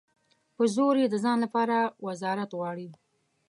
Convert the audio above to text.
په زور یې د ځان لپاره وزارت غواړي.